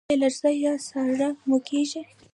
ایا لرزه یا ساړه مو کیږي؟